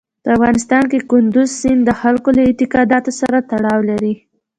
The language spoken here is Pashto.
په افغانستان کې کندز سیند د خلکو له اعتقاداتو سره تړاو لري.